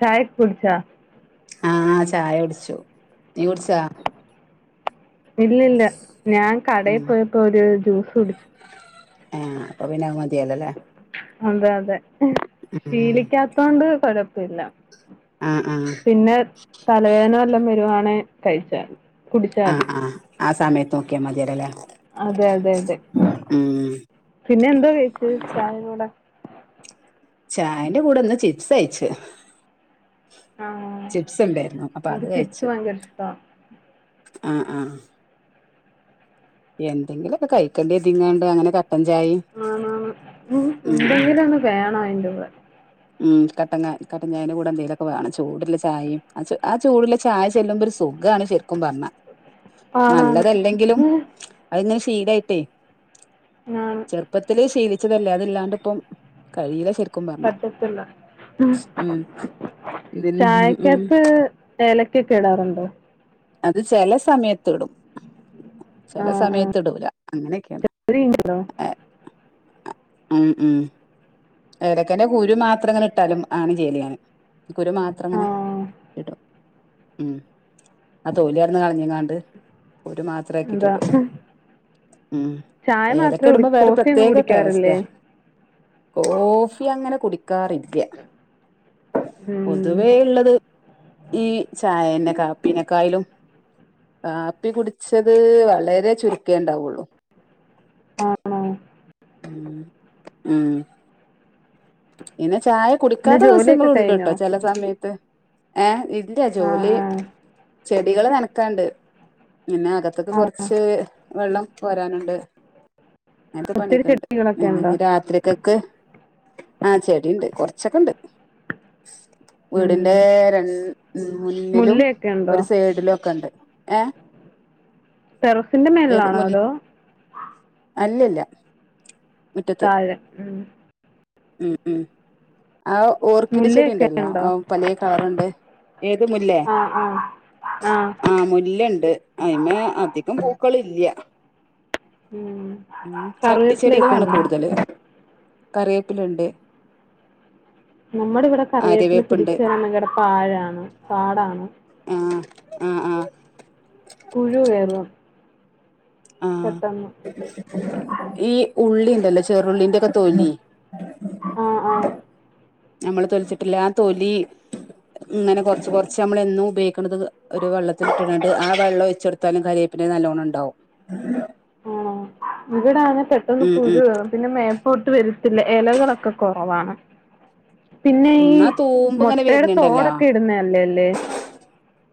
ചായക്ക കുട്ച്ചോ? ആഹ് ചായ കുടിച്ചു നീ കുട്ച്ചോ? ഇല്ല ഇല്ല. ഞാൻ കടയിൽ ഉം പോയപ്പോ ഒരു ജ്യൂസ് കുടിച്ചു. ആ അപ്പം പിന്നൊക മതിയല്ലോ അല്ലേ? അതെ അതെ ഉം ശീലിക്കാത്തൊണ്ട് കൊഴപ്പം ല്ല ആഹ് ആഹ് പിന്നെ തലവേദന എല്ലാം വരുണെ.. കഴിച്ചാ? കുടിച്ചാ മതി ആഹ ആഹ സമയത്ത് നോക്കിയ മതിരല്ലല്ലേ? അതെ അതെ അതെ പിന്നെ എന്തോ കഴിച്ചേ ച ചായന്റെ കൂടെ ഒന്ന് ചിപ്സ് കയ്ച്ച ആ ചിപ്സ് ഉണ്ടായിരുന്നു അപ്പൊ അത് എനിക്ക് ചിപ്സ് കഴച്ച്. ഭയങ്കര ഇഷ്ടാ ആഹ ആഹ എന്തെങ്കിലുലൊക്കെ കഴിക്കേണ്ടിതിങ്ങണ്ട് അങ്ങനെ ചായയും ആ ഉ ഉം ഉം ഉണ്ടെങ്കില ഒന്ന് വേണ അയിന്റെ ഉടെ ആ ഉം കട്ട കട്ടൻ ചായന്റെ കൂടെ എന്തെേലുമൊക്കെ വേണം ചൂടള്ള ചായയും ആ ചൂടള്ള ചായ ചെല്ലുമ്പോ ഒരു സുഖണ് ശരിക്കും പറഞ്ഞ ആണാണ് നല്ലതല്ലെങ്കിലും ഉം അ സടായിട്ട ആണ് ചെറുപ്പത്തില ശീലി ല്ലേ അല്ലാണ്ട് ഇ കഴ പ ഉം ഇതിൻ ഉം ചായക്കത്ത് ഏലക്കൊക്കെ ഇടാറുണ്ടോ അത് ചെില സമയത്ത് ഇടും ചില ആ ആ സമയത്ത് ഇടൂല അങ്ങനെയൊക്കെയാണ് അത് കഴിഞ്ഞല്ലോ ഏ ഉം ഉം ഏടക്കന്റെ കുരു മാത്രങ്ങ ഇട്ടാലും ആണ് ജലിയൻ കുരു മാത്രം ആ അങ്ങനെ കിട്ടും ഉം ആ തോലിയായിന്ന് കളഞ്ഞങ്ങാണ്ട് ഒര് മാത്ര ആക്കിട്ട് എന്താ ഇട ഉം ചായ മാത്രേ ഏതൊക്കെ കുടി ഇടുമ്പോ വേറെ കോഫിയൊന്നും പ്രത്യേകട്ട വവസ്ഥ കുടിക്കാറില്ലേ കോഫി അങ്ങനെ കുടിക്കാറില്ല ഉം പൊതുവേ ഉള്ളത് ഈ ചായ കാപ്പിനെക്കായാലും കാപ്പി കുടിച്ചത് വളരെ ചുരുക്കേണ്ടാവുള്ളു ആഹ ഉ ഉം നെ ചായ പിന്നെ കുടിക്കാത്ത ദിവസങ്ങള ജോലിയൊക്കെ ഉണ്ട് കഴിഞ്ഞോ കേട്ടോ ചില സമയത്ത് ഏ എന്റെ ആ ജോലി കുടികള് നനക്കാണ്ട് പിന്നെ അകത്തൊക്കെ ആ ആ കുറച്ച് വെള്ളം വരാനുണ്ട് അങ്ങനത്തെ ഒത്തിരി പണിയൊക്കെ ഇണ്ട് ചെടികളൊക്കെ ഉണ്ടോ പിന്നെ രാത്രിക്കൊക്കെ ആഹ ചെടുണ്ട് കൊറച്ചൊക്കെണ്ട് ഉം വീടിറെ ര മുന്നിലും മുല്ലയൊക്കെ ഉണ്ടോ ഒരു സൈഡിലും ഒക്കെ ഉണ്ട് ഏഹ ടെറസിന്റെ ഏത് മേളിലാണോ മുല അതോ അല്ലല്ല മുറ്റത്ത് താഴെ ഉം ഉം ഉം ആ ഓർക്കിഡ് ചെടി മുല്ലയൊക്കെ ഉണ്ടല്ലോ ഉണ്ടോ ആ പല കളർുണ്ട് ഏത് മുല്ലേ ആ ആ ആ ആഹ മുല്ലുണ്ട് അതി്മ അധികം പൂക്കളി ഇന്ത്യ ഉം കറിയത്തില ഒക്കെ ഉണ്ട്ോ കേ പ്പിലുണ്ട് നമ്മുടെ ഇവിടെ കറിവേപ്പില് പിടിച്ചു വരാനെങ്കിടെ പാഴാണ് പാടാണ് ആഹ ആഹ പുഴു കയറും ആഹ പെട്ടെന്ന് ഈ ഉള്ളി ല്ല ചെറുള്ളിന്റെ ഒക്കെ തോല്ി ആഹ ആഹ നമ്മള് തൊലിച്ചിട്ടില്ല ആ തൊലി ഇങ്ങനെ കൊറച്ച് കൊറച്ച് നമ്മളും ഉപയോഗ ഒരു വെള്ളത്തിൽ കിട്ടട്ടണ്ട് ആ വെള്ളം ചെറത്താലും കരയേപ്പന്നെ നല്ലോണ്ണം ഉണ്ടാവും ആ ഇവിട ആനെ പെട്ടന്ന് ഉം പുഴ ഉം പിന്നെ തോട്ട് വരുത്തില്ല ഇലകളൊക്കെ കുറവാണ് പിന്നെ ഈ ഉം ആ തൂമ്പ് ഇങ്ങനെ മുട്ടയുടെ വരുന്നുണ്ടല്ലോ തോടൊക്കെ ഇടുന്ന അല്ലേല്ല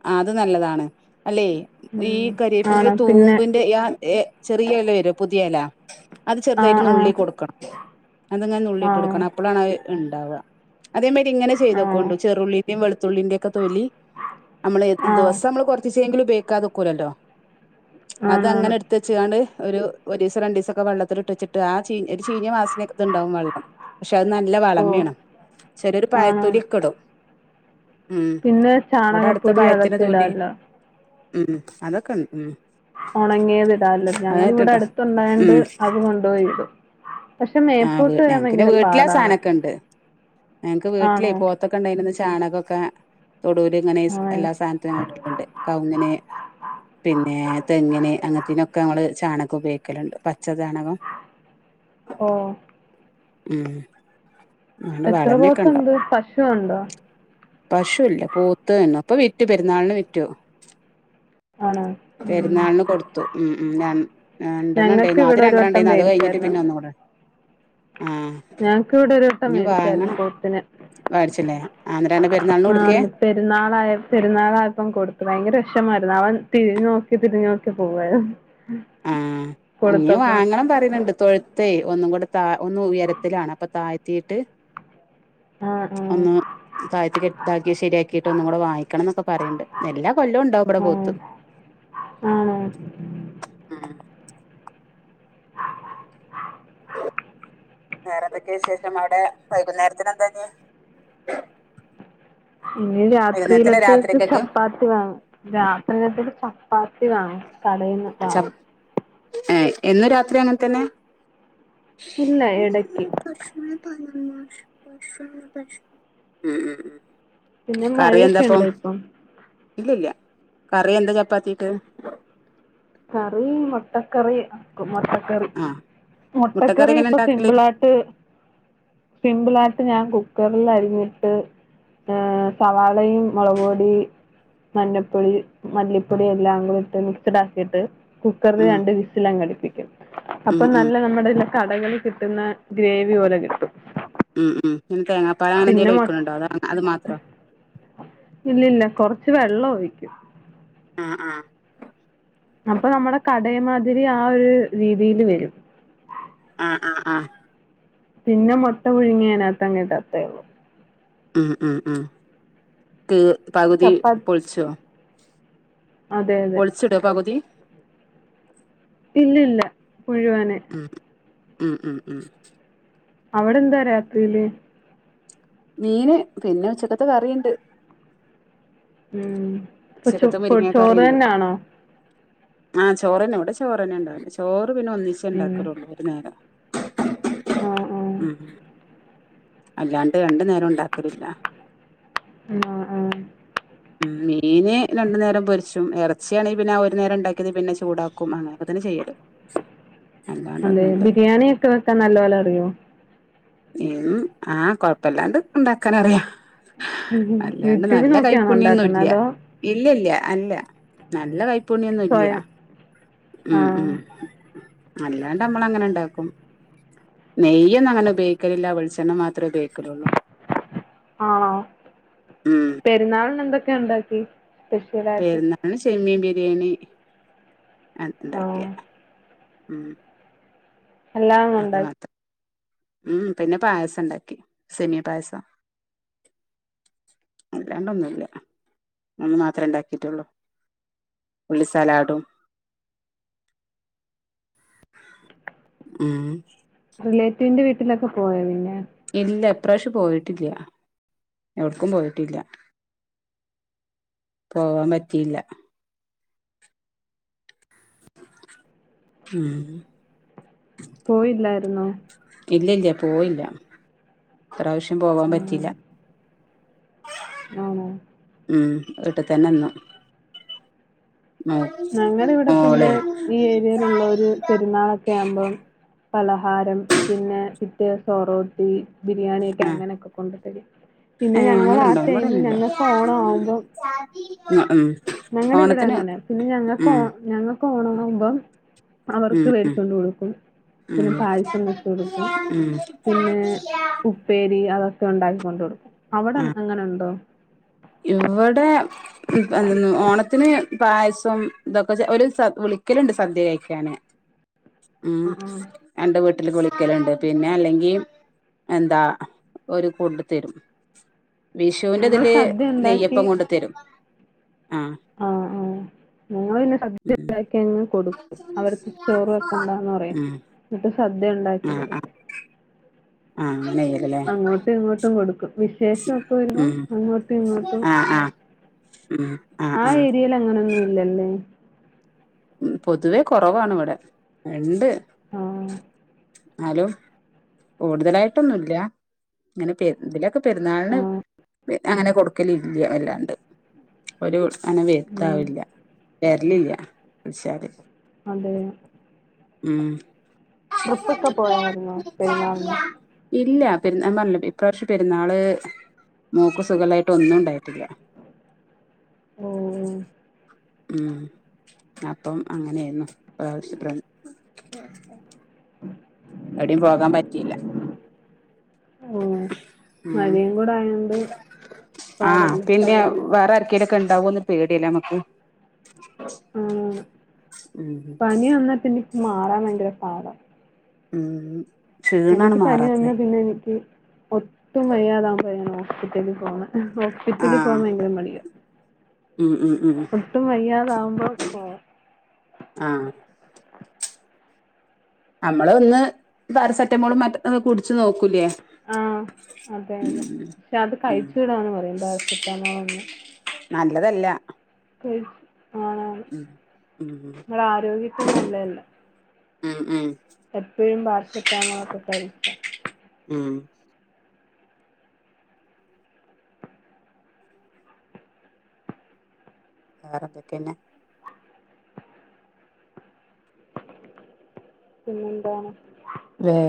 ആ അത് നല്ലതാണ് അല്ലെയ് ഈ ഉം കരിയേപ്പിന്റെ ആണ് പിന്നെ തൂമ്പിന്റെ ആ ഏ ചെറിയ ഇല വരോ പുതിയല അത് ചെറുതായിട്ട് ആഹ് നുള്ളി കൊടുക്കണം അതങ്ങനെ ആഹ് നുള്ളിട്ടൊട്കണം അപ്പളാണത് ഉ ണ്ടവാ അതേ മരി ഇങ്ങനെ ആഹ് ചെയ്തോകൊണ്ട് ചെറുള്ളിൻ്റീം വെളുത്തുള്ളിൻ്റീം ഒ തൊലി അമ്മള് ആഹ് ആഹ് ദിവസം അമ്മള് കൊർച്ചി എങ്കിലും ബേക്കാതക്കൂലല്ലോ അത് ആണാണ് അങ്ങനെ എടുത്തച്ച്കാണ്ട് ഒരു ഒരീസം രണ്ടീസൊക്കെ വെള്ളത്തില് ഇട്ടച് ട്ട് ആ ചീ ഒരു ചീഞ വാസനക്ക ഇത് ഇണ്ടാവും വള്ളം പക്ഷെ അത് നല്ല ഓഹ് വളമേണ് ചെലോരു പഴത്തൊലി ആണാണ് ഒക്കെടും ഉം പിന്നെ ഇവിടെ അടുത്ത ചാണകപ്പൊടി പഴത്തിന്റെ അതൊക്കെ തൊലി ഇടാല്ലോ ഉം ഉം അതൊക്കെണ്ട് ഉം ഉണങ്ങിയത്ടാല്ലോ ഞങ്ങള് ഇവിടെ അതായിട്ടിട്ടോ അടുത്തുണ്ടായണ്ട് ഉം അത് കൊണ്ടുപോയി ഇടും പക്ഷെ ആ മേപ്പൂട്ട് വരാൻ ഞങ്ങക്ക് പിന്നെ ഭയങ്കര വീട്ടിലാ പാടാണ് സാധനൊക്കെ ഉണ്ട് ഞങ്ങക്ക് ആണോ വീട്ടിലെയ് പോത്തൊക്കെണ്ട ചാണകൊക്കെ തൊടൂല് ഇങ്ങനെ ആഹ് എല്ലാ സാനത്തിനും ഞങ്ങള് [unintelligible] കവുങ്ങിന് പിന്നെ തെങ്ങിന് അങ്ങനത്തീനൊക്കെ നമ്മള് ചാണ ക്കൊ ഉപയോഗിക്കലുണ്ട് പച്ച ചാണകം ഓ ഉം അങ്ങനെ എത്ര വളമയൊക്കെ ഉണ്ടോ പോത്ത്ണ്ട് പശുവുണ്ടോ [unintelligible] പ്പൊ വിറ്റു പെരുന്നാളിന് വിറ്റു ആണോ ഉം പെരുന്നാളിന് കൊടുത്തു ഉം ഉം ര ഞങ്ങൾക്ക് രണ്ടെണ്ണണ്ടേയ്ന്നു ഇവിടെ അത്യം ഒരു രണ്ടെണ്ണം വട്ടം ഇണ്ടായ്ന്നു അത് കഴിഞ്ഞിട്ട് മേടിച്ചായിരുന്നു പിന്നെ ഒന്നൂടെ ആ ഞങ്ങക്ക് ഇവിടെ ഒരുട്ടം മേടിച്ചായിരുന്നു പോത്തിനെ മേടിച്ചില്ലേ ആന്നേരാണ് പെരുന്നാളിന് ആ കൊടുക്കേ പെരുന്നാളായ പെരുന്നാളായപ്പം കൊടുത്തു ഭയങ്കരഷ്മായിരുന്നു അവൻ തിരിഞ്ഞോക്കി തിരിഞ്ഞോക്കി പോവാർന്നു ആ ഞ്ഞ് വാങ്ങണം പറീണ്ണ്ട് തൊഴുത്തേ ഒന്നും കൂടെ താ ഒന്നും ഉയരത്തിലാണ് അപ്പൊ താഴ്ത്തിട്ട് ആ ആ ഒന്ന് താഴത്തി കെട്ട് ശരിയാക്കിട്ട് ഒന്നുകൂടെ വാങ്ങിക്കണം എന്നൊക്കെ പറീണ്ട് എല്ലാ കൊല്ലവും ഉണ്ടാവും ഇവിടെ ആ പോത്ത് ആണോ ഉം വേറെന്തൊക്കെ വിശേഷം അവിടെ വൈകുന്നേരത്തിന് എന്തേനി ഇനി രാത്രിയിലത്തേക്ക് രാത്രിക്കക്ക് ചപ്പാത്തി വാങ്ങും രാത്രിയിലത്തേക്ക് ച ആ വാങ്ങും കടേന്ന് ച വാങ്ങും. ഏ എന്നും രാത്രി അങ്ങനെത്തന്നെ പിന്നെ ഇടക്ക് ഉം ഉം ഉം പിന്നെ കറി എന്താപ്പം മഴയൊക്കെയിണ്ടോ ഇപ്പം? ഇല്ലില്ല കറി എന്താ ചപ്പാത്തിക്ക്‌? കറി മുട്ടക്കറി മുട്ട കറി ആഹ് മുട്ടക്കറി എങ്ങനെ ഇപ്പൊ ഉണ്ടാക്കല് സിമ്പിളായിട്ട് സിമ്പിളായിട്ട് ഞാൻ കുക് ക്കറിൽ അരിഞ്ഞിട്ട് ഏഹ് സവാളയും മുളക്പൊടി മഞ്ഞൾപ്പൊടി മല്ലിപ്പൊടിയെല്ലാം കൂടെട്ട് മിക്സഡ് ആ ക്കീട്ട് കുക്കറിൽ ഉം രണ്ട് വിസിലങ്ങടിപ്പി അപ്പൊ ഉം ഉം നല്ല നമ്മുടെലെ കടകളി കിട്ടുന്ന ഗ്രേവി പോലെ കിട്ടും. ഉം ഉം പിന്നെ പിന്നെ തേങ്ങാപാലങ്ങനെന്തെങ്കിലും മൊ ഒഴിക്കണുണ്ടോ അതോ അത് മാത്രോ ഇല്ല ഇല്ല കൊറച്ച് വെള്ളം ഒഴിക്കും. ആ ആ അപ്പൊ നമ്മുടെ കടേമാതിരി ആ ഒരു രീതിയില് വരും. ആ ആ ആ പിന്നെ മൊട്ട പുഴുങ്ങി അതിനാത്തങ്ങ് ഇടത്തെ ഉള്ളൂ. ഉം ഉം ഉം തീർ പകുതി ചപ്പാ പൊളിച്ചോ? അതെ അതെ. പൊളിച്ചിടോ പകുതി? ഇല്ല ഇല്ല മുഴുവനെ ഉം ഉം ഉം ഉം അവിടെ എന്താ രാത്രിയില്? മീൻ പിന്നെ ഉച്ചയ്ക്കത്തെ കറിയുണ്ട്. ഉം ഇപ്പൊ ഉച്ചക്കത്തെ പ്പോ മുരിങ്ങ ചോറ് കറിയുണ്ട് തന്നാണോ? ആഹ് ചോറ് തന്നെ ഇവിടെ ചോറ് തന്നെ ഉണ്ടാവു ചോറ് പിന്നെ ഒന്നിച്ചേ ഉം. ഉണ്ടാക്കാറുള്ളൂ ഒരു നേരം ആഹ് ആഹ്. ഉം അല്ലാണ്ട് രണ്ടു നേരം ഉണ്ടാക്കലില്ല. ഉം ആഹ് ആഹ് മീൻ രണ്ട് നേരം പൊരിച്ചും ഇറച്ചിയാണേൽ ആ ഒരു നേരം ഉണ്ടാക്കിയത് പിന്നെ ചൂടാക്കും അങ്ങനെയൊക്കെ തന്നെ ചെയ്യല്. അതെ അല്ലാണ്ടൊന്നുല്ല ബിരിയാണി ഒക്കെ വെക്കാൻ നല്ല പോലെ അറിയോ ഉം ആ കൊഴപ്പമില്ലാണ്ട് ഇണ്ടാക്കാനറിയാ ഉം ഉം. അല്ലാണ്ട് യൂട്യൂബിൽ നല്ല നോക്കിയാണോ കൈപ്പുണ്യം ഒന്നും ഉണ്ടാക്കുന്നെ ഇല്ല്യ അതോ ഇല്ലില്ല്യ അല്ല നല്ല കൈ പുണ്യമൊന്നും ഇല്ല്യ സ്വയം? ഉം ഉം ആഹ്. അല്ലാണ്ട് നമ്മള് അങ്ങനെ ഇണ്ടാക്കും നെയ്യ് ഒന്നും അങ്ങനെ ഉപയോഗി ക്കലില്ല വെളിച്ചെണ്ണ മാത്രം ഉപയോഗിക്കലുള്ളൂ ആ ഉം പെരുന്നാളിന് എന്തൊ ന്തൊക്കെ ഒണ്ടാക്കി പെരുന്നാളിന് സേമിയേം ബി ര്യാണി അ ണ്ടാക്യെ ആഹ്. ഉം അല്ലാതൊന്നും അത് ഉണ്ടാക്കി മാത്രം ഉം പിന്നെ പായസം ണ്ടാക്കി സേമ്യ പായസം അല്ലാണ്ടൊന്നുല്ല ഒന്ന് മാത്രമേ ഉണ്ടാക്കിയിട്ടുള്ളു ഉള്ളി സലാഡും ഉം റിലേറ്റീവിന്റെ വീട്ടിലൊക്കെ പോയോ പിന്നെ ഇല്ല ഇപ്രാവശ്യം പോയിട്ടില്ല എവ്ട്ക്കും പോയിട്ടില്ല പോവാൻ പറ്റിയില്ല ഉം പോയില്ല ന്നോ ഇല്ല ഇല്ല പോയില്ല ഇപ്രാവശ്യം പോവാൻ പറ്റില്ല ആണോ വീട്ട് തന്നെന്നു ഞങ്ങള് വിടെ പിന്നെ ഈ ഏരിയയിലുള്ളോര് പെരുന്നാളൊക്കെ ആകുമ്പം പലഹാരം പിന്നെ പിന്നെ ഒറോട്ടി ബിരിയാണിയൊക്കെ ആ അങ്ങനെയൊക്കെ കൊണ്ടു തരും പിന്നെ ഏ ഞങ്ങക്കാ അങ്ങനെണ്ടോ ടൈമില് ഇവിടെന്നുല്ല ഞങ്ങക്ക് ഓണം ആവുമ്പോം ഉം ഞങ്ങള് ഇവിടെ ഓണത്തിന് അങ്ങനെ പിന്നെ ഞങ്ങക്ക് ഓ ഉം ഞങ്ങ ക്കോണാവുമ്പം അവർക്ക് ഉം ഉം വേടിച്ചൊണ്ട് കൊടുക്കും പിന്നെ ഉം പായസം വെച്ച് കൊടുക്കും ഉം പിന്നെ ഉപ്പേരി അതൊക്കെ ട്ട് ഒണ്ടാക്കി കൊണ്ട് കൊടുക്കും അവിടെ ആ അങ്ങ് അങ്ങനെ ഇണ്ടോ ഇവിടെ എന്ത ഓണത്തിന് പായസം ഇതൊക്കെ ഒരു സ വിളിക്കല്ണ്ട് സദ്യ കഴിക്കാന് ഉം എന്റെ വീട് വീട്ടില് വിളിക്കലുണ്ട് പിന്നെ അല്ലെങ്കിൽ എന്താ ഓര് കൊണ്ട് തരും ഞങ്ങൾ വിഷുവിന്റെതില് സദ്യ നെയ്യപ്പം കൊണ്ട് തരും ആഹ് ആ ആങ്ങന്നെ സദ്യ ഉം ഉണ്ടാക്കി കൊടുക്കും അവരടുത്ത് ചോറ് വെക്കണ്ടാന്ന് പറയും ഉം എന്നി സദ്യ ഉണ്ടാക്കി ആഹ് ആഹ് കൊടുക്കും ആഹ് അങ്ങനെ ചെയ്യലല്ലേ അങ്ങോട്ടും ഇങ്ങോട്ടും കൊടുക്കും വിശേഷമൊക്കെ വരുമ്പം ഉം അങ്ങോട്ടും ഇങ്ങോട്ടും ആഹ് ഉണ്ട ആഹ് ഉം ആഹ് ആ ആഹ് ഏരിയൽ അങ്ങനൊന്നും ഇല്ലല്ലേ ഉ പൊതുവേ കുറവാാണ് ഇവിടെ ഉണ്ട് ആ ഹലോ കൂടുതലായിട്ടൊന്നുമില്ല ഇങ്ങനെ ഇതിലൊക്കെ പെരുന്നാള് ആഹ് അങ്ങനെ കൊടുക്കലില്ല വല്ലാണ്ട് ഒരു അങ്ങനെ ഉം വേവിക്കാറില്ല തെരളി ഇല്ല അതെ ഉം ട്രിപ്പ് ഒക്കെ പോയായിരുന്നോ പെരുന്നാളിന് പെരാ പറഞ്ഞ ഇപ്രാവശ്യ പെരുന്നാള് മോൾക്ക് സുഖമില്ലായിട്ട് ഒന്നും ഉണ്ടായിട്ടില്ല ഉപ ഉം അപ്പം അങ്ങനെയായിരുന്നു ഇപ്രാവശ്യത്തെ എവിടെയും പോകാൻ പറ്റിയില്ല ഓഹ് ഉം മഴയും കൂടെ ആയോണ്ട് ആഹ് പാടല്ലേ പിന്നെ വേറെ ക്കേലൊക്കെ ഉണ്ടാവോന്ന് പേടിയല്ലേ നമ്മക്ക് ആ ഉം പനിയ വന്നാപ്പിന്നെ മാറാൻ ഭയങ്കര പാടാ ഉം ക്ഷീണാണ് എനിക്ക് പനി വന്ന മാറാത്തത് പിന്നെ എനിക്ക് ഒട്ടും വയ്യാതാമ്പഴാ ഹോസ്പിറ്റലിൽ പോവുന്നത് ഹോസ്പിറ്റലിൽ പോവാ ആഹ് ഭയങ്കര മടിയാ ഉം ഉം ഉം ഒട്ടും വയ്യാതാവുമ്പോ പോവാ ആഹ് നമ്മള് ഒന്ന് പാരസെറ്റമോളും മറ്റും കുടിച്ച് നോക്കൂലേ ആഹ് അതെതെ ഉം പക്ഷെ അത് ഉം കഴിച്ചൂടാന്ന് പറയും പാരസെറ്റാമോളൊന്നും നല്ലതല്ല ക ആണ് ആണ് ഉം ഉം നമ്മടെ ആരോഗ്യത്തി നല്ലതല്ല ഉം ഉം എപ്പഴും പാരസെറ്റാമോളൊക്കെ കഴിച്ചാ. ഉം വേറെ എന്തൊക്കെന്നെ പിന്നെ എന്താണ്? വേറെ